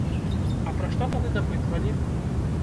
А пра што тады дапытвалі?